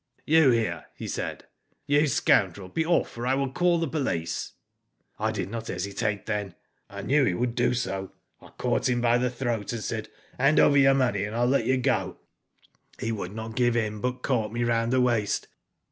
*''You here,' he said. 'You scoundrel be off or I will call the police.* "I did not hesitate then. I knew he would do so. I caught him by the throat, and said :" Hand over your money and Pll let you go "He would not give in, but caught me round the waist.